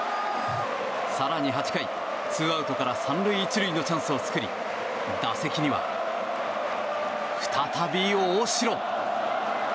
更に８回、ツーアウトから３塁１塁のチャンスを作り打席には再び大城。